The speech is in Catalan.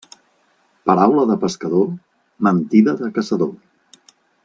Paraula de pescador, mentida de caçador.